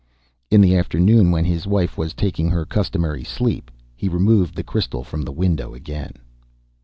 In the afternoon, when his wife was taking her customary sleep, he removed the crystal from the window again.